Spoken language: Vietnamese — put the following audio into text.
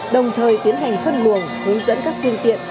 đồng thời tiến hành phân nguồn hướng dẫn các tiên tiện